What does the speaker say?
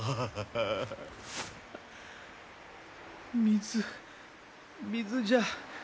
水水じゃ。